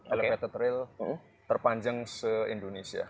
elevated rail terpanjang se indonesia